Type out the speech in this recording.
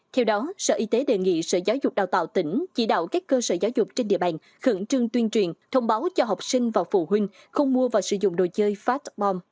theo đó sở y tế đề nghị sở giáo dục đào tạo tỉnh chỉ đạo các cơ sở giáo dục trên địa bàn khẩn trương tuyên truyền thông báo cho học sinh và phụ huynh không mua và sử dụng đồ chơi phát bom